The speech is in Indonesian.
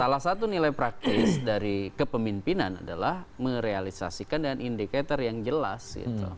salah satu nilai praktis dari kepemimpinan adalah merealisasikan dengan indikator yang jelas